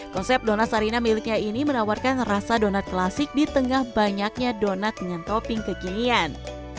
konsep donat sarina miliknya ini menawarkan rasa donat klasik di tengah banyaknya donat dengan topping kekinian